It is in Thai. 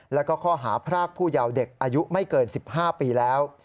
แล้วก็ข้อหาพรากผู้เยาว์เด็กอายุไม่เกิน๑๕ปีแล้ว